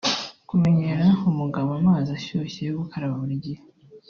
Kumenyera umugabo amazi ashyushye yo gukaraba buri gihe